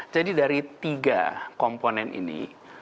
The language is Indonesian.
jadi dari tiga komponen ini